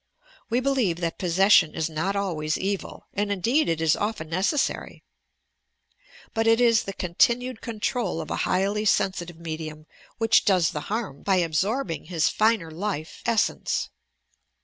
We believe that possession is not always evil, and indeed it is often necessary. But it is the continued control of a highly sensitive medium which does the harm by ab sorbing his finer life essence.